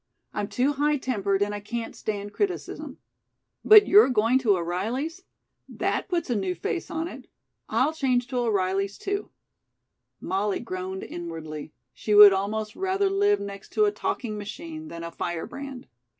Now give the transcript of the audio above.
I'm too high tempered and I can't stand criticism. But you're going to O'Reilly's? That puts a new face on it. I'll change to O'Reilly's, too." Molly groaned inwardly. She would almost rather live next to a talking machine than a firebrand.